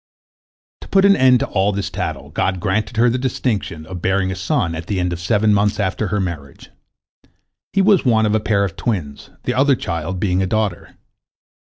" To put an end to all this tattle, God granted her the distinction of bearing a son at the end of seven months after her marriage. He was one of a pair of twins, the other child being a daughter.